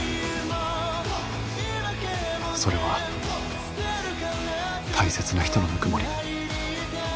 それは大切な人のぬくもり